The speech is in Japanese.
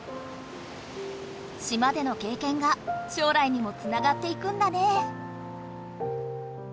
島でのけいけんが将来にもつながっていくんだね。